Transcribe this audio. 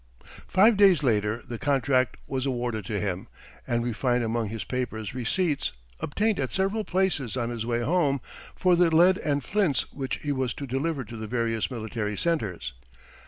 Five days later the contract was awarded to him; and we find among his papers receipts, obtained at several places on his way home, for the lead and flints which he was to deliver to the various military centers.